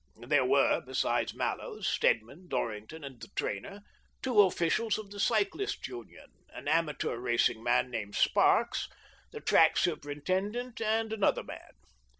There were, besides Mallows, Stedman, Dorrington and the trainer, two officials of the Cyclists' Union, an amateur racing man named "AVALANCHE BICYCLE AND TYRE CO., LTD." 1G7 Sparks, the track superintendent and another man.